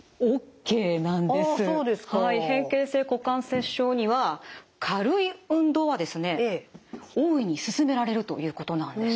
変形性股関節症には軽い運動はですね大いにすすめられるということなんです。